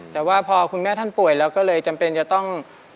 แต่ว่าพอคุณแม่ท่านป่วยเราก็เลยจำเป็นจะต้อง